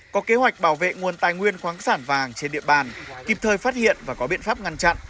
có kế hoạch bảo vệ nguồn tài nguyên khoáng sản vàng trên địa bàn kịp thời phát hiện và có biện pháp ngăn chặn